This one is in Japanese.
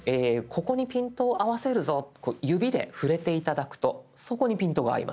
ここにピントを合わせるぞっとこう指で触れて頂くとそこにピントが合います。